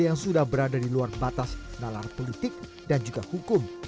yang sudah berada di luar batas nalar politik dan juga hukum